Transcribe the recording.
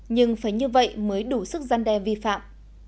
nhưng phải như vậy mới đủ sức gian đe vi phạm